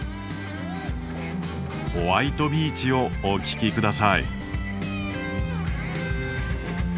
「ホワイトビーチ」をお聴き下さい。